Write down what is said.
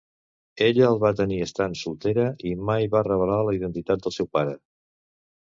Ella el va tenir estant soltera i mai va revelar la identitat del seu pare.